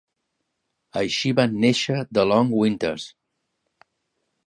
Així van néixer The Long Winters.